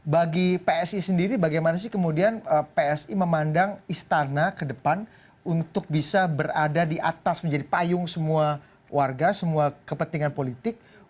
bagi psi sendiri bagaimana sih kemudian psi memandang istana ke depan untuk bisa berada di atas menjadi payung semua warga semua kepentingan politik